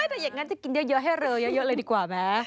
แต่อย่างนั้นจะกินเยอะให้เร็วเยอะเลยดีกว่าไหม